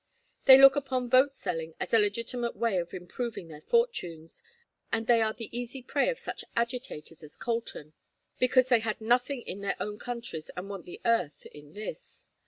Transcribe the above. They look upon vote selling as a legitimate way of improving their fortunes, and they are the easy prey of such agitators as Colton, because they had nothing in their own countries, and want the earth in this.